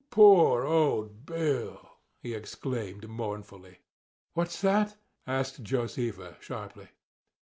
"Poor old Bill!" he exclaimed mournfully. "What's that?" asked Josefa, sharply.